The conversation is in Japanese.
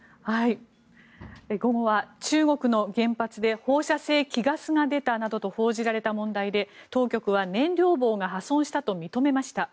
午後は中国の原発で放射性希ガスが出たなどと報じられた問題で当局は燃料棒が破損したと認めました。